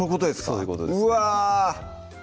そういうことですうわ！